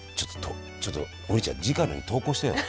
ちょっと王林ちゃん次回のに投稿してよ。